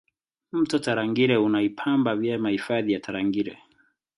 mto tarangire unaipamba vyema hifadhi ya tarangire